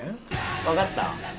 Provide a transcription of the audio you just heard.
わかった？